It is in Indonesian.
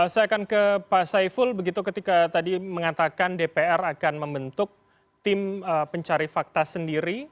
saya akan ke pak saiful begitu ketika tadi mengatakan dpr akan membentuk tim pencari fakta sendiri